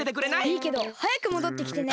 いいけどはやくもどってきてね。